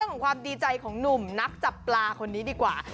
ของความดีใจของหนุ่มนักจับปลาคนนี้ดีกว่า